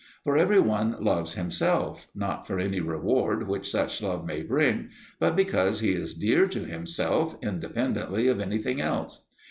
For every one loves himself, not for any reward which such love may bring, but because he is dear to himself independently of anything else.